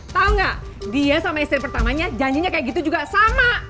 tahu nggak dia sama istri pertamanya janjinya kayak gitu juga sama